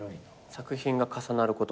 作品が重なることは？